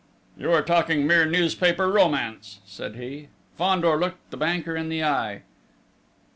"You are talking mere newspaper romance," said he. Fandor looked the banker in the eye.